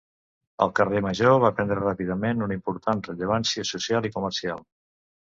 El carrer Major va prendre ràpidament una important rellevància social i comercial.